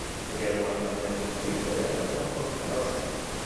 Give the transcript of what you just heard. اگر موفقیت میخواهی باید در راه آن تلاش کنی.